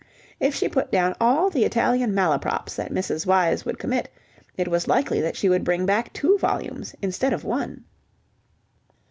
If she put down all the Italian malaprops that Mrs. Wyse would commit, it was likely that she would bring back two volumes instead of one.